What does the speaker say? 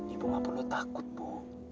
ibu gak perlu takut bu